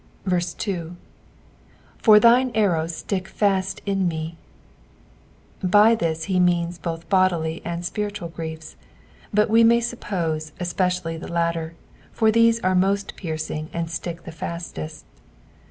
2. "For thine arrovt ttiek fait in me." By this he means both bodily and spiritual griefs, but we may suppose, especially the latter, for these are most piercing and stick the fastest.